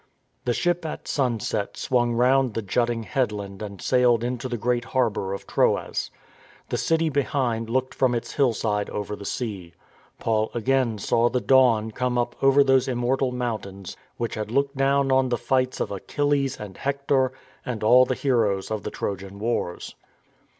The ship at sunset swung round the jutting head land and sailed into the great harbour of Troas. The city behind looked from its hillside over the sea. Paul again saw the dawn come up over those immortal mountains which had looked down on the fights of W 268 STORM AND STRESS Achilles and Hector and all the heroes of the Trojan wars.